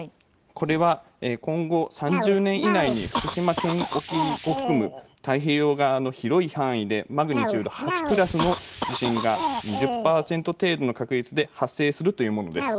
これは今後３０年以内に福島県沖を含む大平洋側の広い範囲でマグニチュード８クラスの地震が２０％程度の確率で発生するというものです。